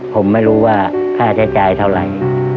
ผมไม่รู้ว่าค่าใช้จ่ายเท่าไหร่